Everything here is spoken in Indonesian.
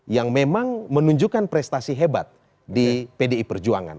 yang memang menunjukkan prestasi hebat di pdi perjuangan